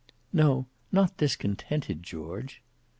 "No, not discontented, George."